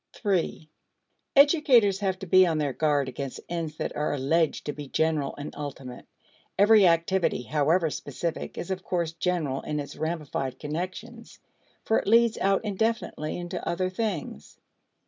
(3) Educators have to be on their guard against ends that are alleged to be general and ultimate. Every activity, however specific, is, of course, general in its ramified connections, for it leads out indefinitely into other things.